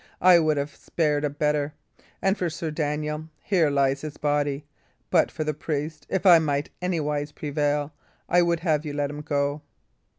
I would have spared a better; and for Sir Daniel, here lies his body. But for the priest, if I might anywise prevail, I would have you let him go."